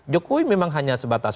jokowi memang hanya sebatas